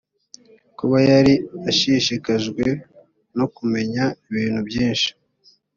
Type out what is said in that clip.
kuba yari ashishikajwe no kumenya ibintu byinshi